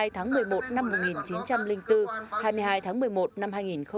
hai mươi tháng một mươi một năm một nghìn chín trăm linh bốn hai mươi hai tháng một mươi một năm hai nghìn hai mươi